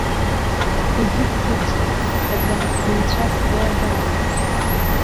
Егьи дсырҽхәацыԥхьаӡа еицәастәуазаап.